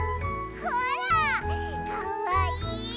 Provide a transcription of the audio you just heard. ほらかわいい！